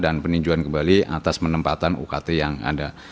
dan peninjuan kembali atas penempatan ukt yang ada